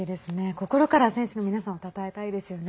心から選手の皆さんをたたえたいですよね。